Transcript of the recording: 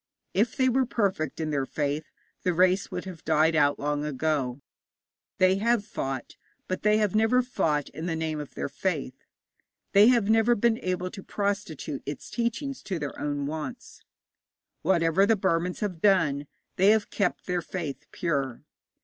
If they were perfect in their faith, the race would have died out long ago. They have fought, but they have never fought in the name of their faith. They have never been able to prostitute its teachings to their own wants. Whatever the Burmans have done, they have kept their faith pure.